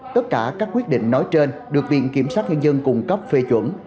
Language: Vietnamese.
tất cả các quyết định nói trên được viện kiểm sát nhân dân cung cấp phê chuẩn